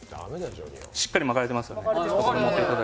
しっかり巻かれてますよね。